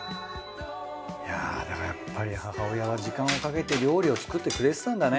いやぁだからやっぱり母親は時間をかけて料理を作ってくれてたんだね。